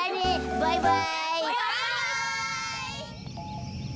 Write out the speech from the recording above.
バイバイ！